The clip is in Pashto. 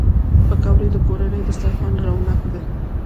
پکورې د کورني دسترخوان رونق دي